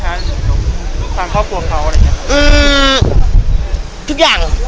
ฝากพ่อควรเขาอะไรแบบนี้อือทุกอย่าง